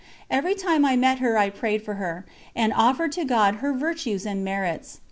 Every time I met her I prayed for her, and offered to God her virtues and merits.